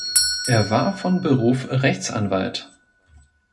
Er war von Beruf Rechtsanwalt.